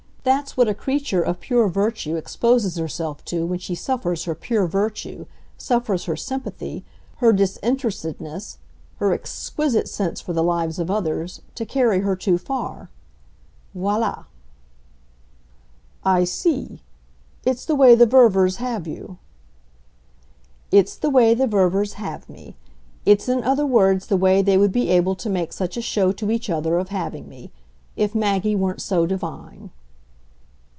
That's what a creature of pure virtue exposes herself to when she suffers her pure virtue, suffers her sympathy, her disinterestedness, her exquisite sense for the lives of others, to carry her too far. Voila." "I see. It's the way the Ververs have you." "It's the way the Ververs 'have' me. It's in other words the way they would be able to make such a show to each other of having me if Maggie weren't so divine."